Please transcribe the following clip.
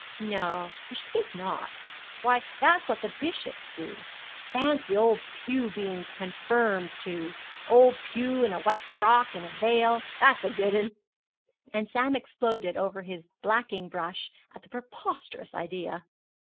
'No, I should think not. Why, that's what the bishops do. Fancy old Pew being confirmed too old Pew in a white frock and a veil. That is a good'un,' and Sam exploded over his blacking brush at the preposterous idea.